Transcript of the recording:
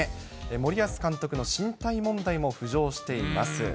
森保監督の進退問題も浮上しています。